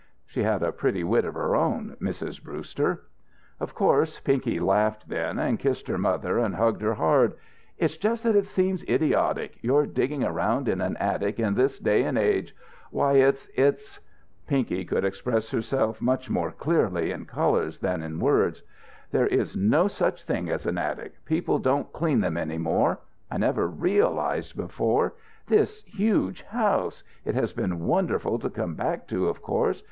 She had a pretty wit of her own, Mrs. Brewster. Of course Pinky laughed then, and kissed her mother and hugged her hard. "It's just that it seems idiotic your digging around in an attic in this day and age! Why it's it's " Pinky could express herself much more clearly in colours than in words. "There is no such thing as an attic. People don't clean them any more. I never realized before this huge house. It has been wonderful to come back to, of course.